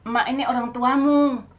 mak ini orang tuamu